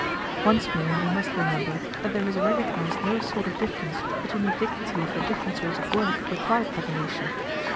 Once more you must remember that there is recognized no sort of difference between the dignity of the different sorts of work required by the nation.